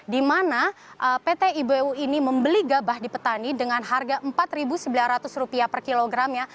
di mana pt ibu ini membeli gabah di petani dengan harga rp empat sembilan ratus per kilogramnya